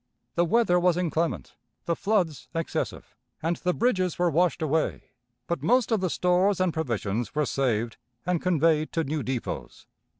The weather was inclement, the floods excessive, and the bridges were washed away, but most of the stores and provisions were saved and conveyed to new depots.